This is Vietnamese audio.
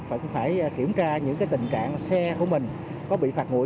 cùng với việc đưa ứng dụng công nghệ thông tin vào hỗ trợ